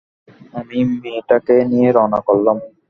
আমি মেয়েটাকে নিয়ে রওনা করলাম।